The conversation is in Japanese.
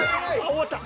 終わった。